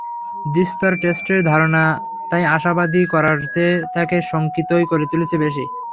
দ্বিস্তর টেস্টের ধারণা তাই আশাবাদী করার চেয়ে তাদের শঙ্কিতই করে তুলছে বেশি।